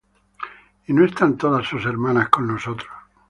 ¿Y no están todas sus hermanas con nosotros?